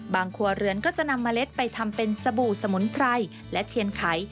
ครัวเรือนก็จะนำเมล็ดไปทำเป็นสบู่สมุนไพรและเทียนไข